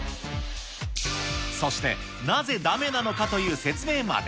そして、なぜだめなのかという説明まで。